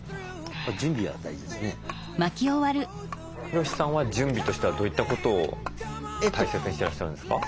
ヒロシさんは準備としてはどういったことを大切にしてらっしゃるんですか？